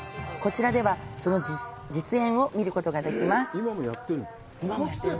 こちらではその実演を見ることができます。